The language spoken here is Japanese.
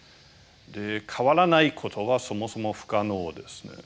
変わらないことはそもそも不可能ですね。